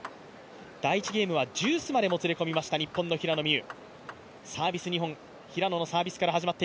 第１ゲームはジュースまでもつれ込みました日本の平野美宇。